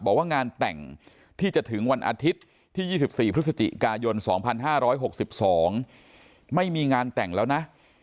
บอกว่างานแต่งที่จะถึงวันอาทิตย์ที่๒๔พฤศจิกายน๒๕๖๒ไม่มีงานแต่งแล้วนะ